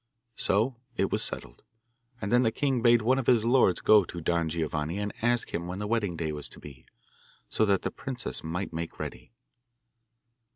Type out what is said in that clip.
So it was settled, and then the king bade one of his lords go to Don Giovanni and ask him when the wedding day was to be, so that the princess might make ready.